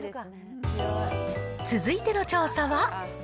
続いての調査は。